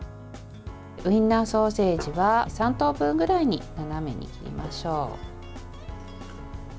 ウィンナーソーセージは３等分ぐらいに斜めに切りましょう。